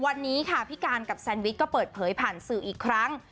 วันนี้ค่ะพี่การกับแซนวิชก็เปิดเผยผ่านสื่ออีกครั้ง